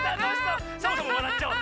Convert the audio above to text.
サボさんもわらっちゃおう。